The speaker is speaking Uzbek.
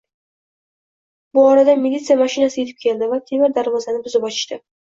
Bu orada milisiya mashinasi etib keldi va temir darvozani buzib ochishdi